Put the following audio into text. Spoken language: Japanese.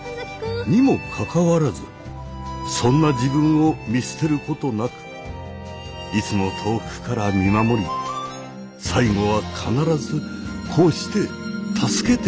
にもかかわらずそんな自分を見捨てることなくいつも遠くから見守り最後は必ずこうして助けてくれる。